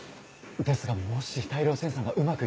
ですがもし大量生産がうまくいけば。